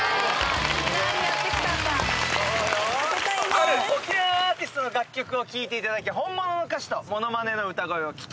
ある沖縄アーティストの楽曲を聴いていただき本物の歌手とモノマネの歌声を聴き